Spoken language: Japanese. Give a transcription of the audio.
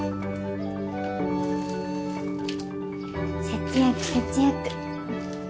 節約節約。